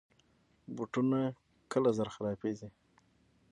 بوټونه کله زر خرابیږي.